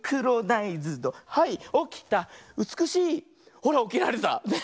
ほらおきられた。ね。